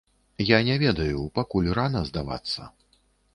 Я не ведаю, пакуль рана здавацца.